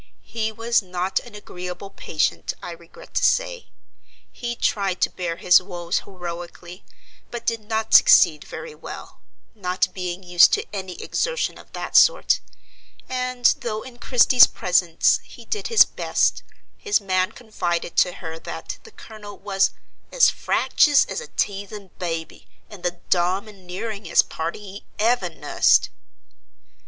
He was not an agreeable patient, I regret to say; he tried to bear his woes heroically, but did not succeed very well, not being used to any exertion of that sort; and, though in Christie's presence he did his best, his man confided to her that the Colonel was "as fractious as a teething baby, and the domineeringest party he ever nussed."